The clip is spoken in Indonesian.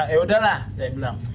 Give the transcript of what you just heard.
eh udahlah saya bilang